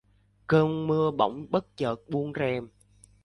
Cơn mưa bất chợt buông rèm